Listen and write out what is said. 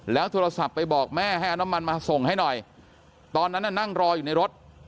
โทรศัพท์ไปบอกแม่ให้เอาน้ำมันมาส่งให้หน่อยตอนนั้นน่ะนั่งรออยู่ในรถ